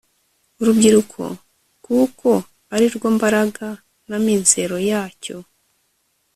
urubyiruko kuko ari rwo mbaraga n'amizero yacyo